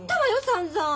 さんざん。